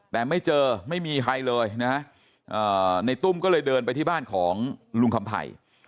แต่ไม่เจอไม่มีใครเลยนะฮะในตุ้มก็เลยเดินไปที่บ้านของลุงคำไผ่